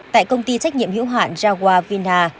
tại công ty trách nhiệm hữu hoa